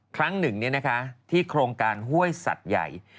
ครั้งหนึ่งที่โครงการห้วยสัตว์ใหญ่